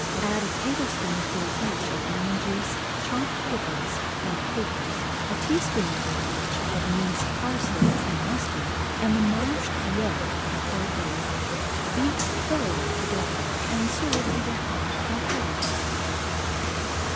Add a tablespoonful each of lemon juice chopped pickles, and capers, a teaspoonful each of minced parsley and mustard, and the mashed yolk of a hard boiled egg. Beat thoroughly together and serve either hot or cold.